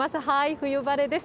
冬晴れです。